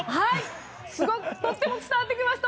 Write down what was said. すごくとっても伝わってきました！